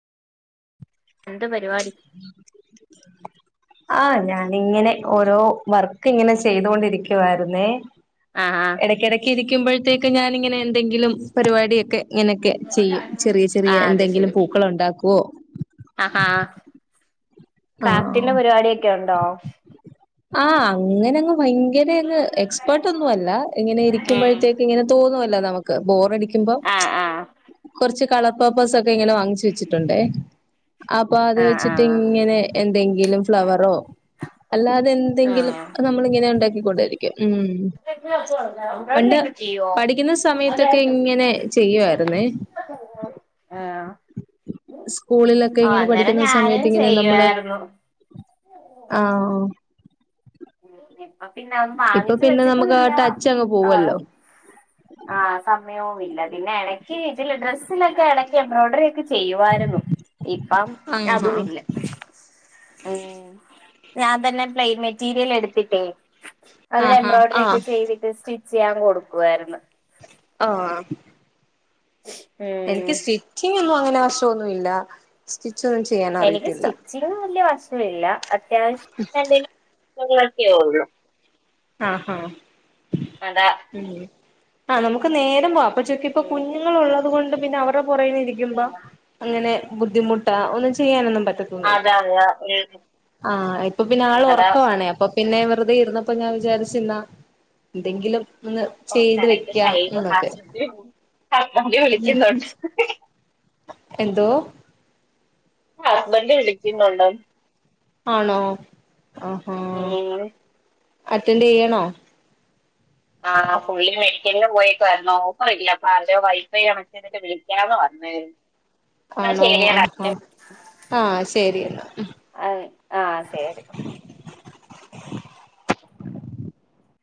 എന്ത് പരിപാടി ആഹ് ഞാനിങ്ങനെ ഓരോ വർക്കിങ്ങനെ ചെയ്തോണ്ടിരിക്കുവാര്ന്നേ ആഹ് ആഹ് എടക്കെടക്ക് ഇരിക്കുമ്പഴ്ത്തേക്ക് ഞാാനിങ്ങനെ എന്തെങ്കിലും പരിപാടിയൊക്കെ ഇങ്ങനൊക്കെ ചെയ്യും ചെറിയ ചെറിയ ആഹ് അത് എന്തെങ്കിലും ശരി പൂക്കള് ഉണ്ടാക്കുവോ ആഹാ ആഹ് ക്രാഫ്റ്റിന്റെ പരിപാടിയൊക്കെ ഒണ്ടോ ആഹ് അങ്ങനങ്ങും ഭയ്ങ്കര അങ്ങ് എക്സ്പേർട്ടൊന്നുവല്ല ഇങ്ങനെ ഉം ഇരിക്കുമ്പഴ്ത്തേക്ക് ഇങ്ങനെ തോന്നുവല്ലോ നമക്ക് ബോറടി ക്കുമ്പം ആഹ് ആഹ് കൊർച്ച് കളർപേപ്പേഴ്സൊക്കെ ഇങ്ങനെ വാങ്ങിച്ചു വെച്ചിട്ടുണ്ടേ അപ്പൊ അത് ആഹ് വെച്ചിട്ട് ആഹ് ഇങ്ങനെ എന്തെങ്കിലും ഫ്ലവറോ അല്ലാത് തെന്തെങ്കിലും ആഹ് അത് നമ്മളിങ്ങനെ ഉണ്ടാക്കിക്കൊണ്ടിരിക്കും ഉം എംബ്രോയ്ഡറി പണ്ട് ഒക്കെ ചെയ്യോ പഠിക്കുന്ന സമയത്തൊക്കെ ആഹ് ഇങ്ങനെ ചെയ്യുവാരുന്നേ ആഹ് സ്കൂളിലൊക്കെ ഇങ്ങനെ അന്നേരം പഠിക്കുന്ന ഞാനും സമയത്ത് ഇങ്ങനെ നമ്മള് ചെയ്യുവായിരുന്നു ആഹ് ഓഹ് ഉം അഹ് പിന്നാ അതൊന്നും ഇപ്പൊ പിന്നെ നമുക്ക് ആ വാങ്ങിച്ചുവെച്ചിട്ടുവില്ല ടച്ച് അങ്ങ് ആഹ് പോവല്ലോ ആസമയോം വില്ല പിന്നെ എടക്ക് ഇതില്ഡ്രസ്സിലൊക്കെ എടക്ക് എംബ്രോഡറി ഒക്കെ ചെ ചെയ്യുവായിരുന്നു ഇപ്പം ആഹ് ഹാ അതുവില്ല ഊം ഞാൻ തന്നെ പ്ലെയിൻ മെറ്റീരിയലെടുത്തിട്ടേ അതിൽ ആഹാ എംബ്രോയ്ഡറി ആഹ് ഒക്കെ ചെയ്തിട്ട് സ്റ്റി ചെയ്യാൻ കൊടുക്കുവായ്ര്ന്ന് ആ എനിക്ക് ഉം സ്റ്റിച്ചിങ് ഒന്നുംങ്ങനെ ആവശ്യൊന്നുല്ല എനിക്ക് സ്റ്റിച്ചിങ് വല്ല്യ വ ല്ല അത്യാവശ്യം [unintelligible] ആഹാ അതാ ഉം ആ നമുക്ക് നേരംപോവ ൻക്ക്പ്പൊ ഉം കുഞ്ഞുങ്ങൾള്ളത് കൊണ്ട് പിന്നെ അവരുടെ പുറേകേനിരിക്കുമ്പോ അങ്ങനെ ബുദ്ധിമുട്ടാ ഒന്നും ചെയ്യാനൊന്നും പ അതാ [unintelligible] ആ ഇപ്പൊ പിന്നെ ആൾ അതാ ഉറക്കവാണേ അപ്പൊപിന്നെ വെറുതെ ഇരുന്ന് അപ്പൊ ഞാൻ വിചാരിച്ചെന്നാ എന്തെങ്കിലും ഒന്ന് ഓ, ചെയ്ത് കറക്റ്റ് വെക്കാ ടൈം എന്നൊക്കെ ഹസ്ബൻഡ് [unintelligible] വിളിക്കുന്നുണ്ട് എന്തോ ഹസ്ബൻഡ് വിളിക്കുന്നുണ്ട് ആണോ ആഹാ ഉം. അറ്റൻഡ് ചെയ്യണോ ആ പുള്ളി മെഡിക്കലിന് പോയൊക്കായിരുന്നു [unintelligible] അപ്പൊ [unintelligible] വൈഫൈ [unintelligible] വിളിക്കാന്ന് പറഞ്ഞു [unintelligible] എന്നാ ആണോ ശരിയടാ ആഹാ [unintelligible] ആഹ് ശരി എന്നാ ആ ആ ശരി